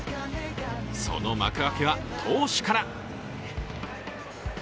その幕開けは投手から。